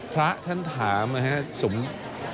พระท่านถามเอ่อถูกไหมครับ